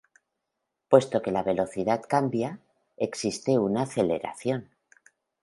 Puesto que la velocidad cambia, existe una aceleración.